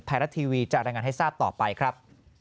ไทยรัฐทีวีจะรายงานให้ทราบต่อไปครับ